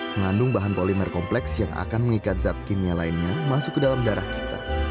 mengandung bahan polimer kompleks yang akan mengikat zat kimia lainnya masuk ke dalam darah kita